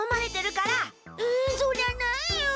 えそりゃないよ！